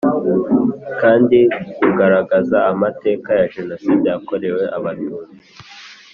kandi rugaragaze amateka ya Jenoside yakorewe Abatutsi.